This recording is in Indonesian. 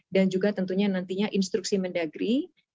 dan juga tentunya nantinya instruksi mendagri